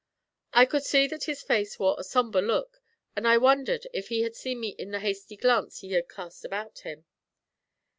I could see that his face wore a sombre look, and I wondered if he had seen me in the hasty glance he had cast about him.